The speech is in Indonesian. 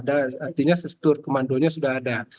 artinya struktur kemandunya sudah ada